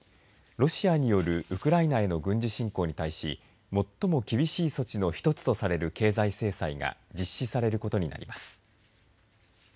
ロシアによるウクライナへの軍事侵攻に対し最も厳しい措置の１つとされる経済制裁が実施されることになります。